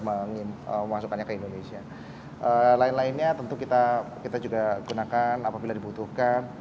memasukkannya ke indonesia lain lainnya tentu kita kita juga gunakan apabila dibutuhkan